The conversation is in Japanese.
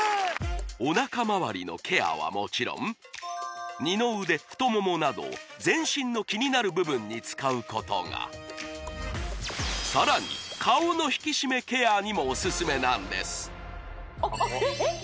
おなかまわりのケアはもちろん二の腕太ももなど全身のキニナル部分に使うことがさらに顔の引き締めケアにもおすすめなんですああえっ